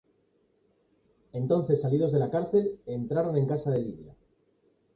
Entonces salidos de la cárcel, entraron en casa de Lidia;